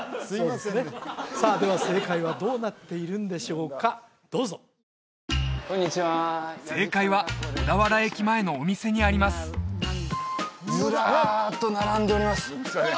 すいませんさあでは正解はどうなっているんでしょうかどうぞ正解は小田原駅前のお店にありますずらっと並んでおります